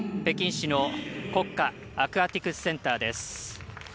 北京市の国家アクアティクスセンターです。